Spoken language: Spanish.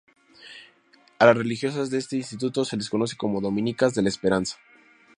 A las religiosas de este instituto se les conoce como Dominicas de la Esperanza.